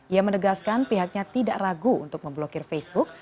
ia menegaskan pihaknya tidak ragu untuk memblokir facebook